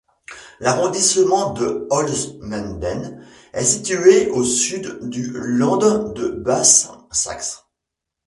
L'arrondissement de Holzminden est situé au sud du Land de Basse-Saxe.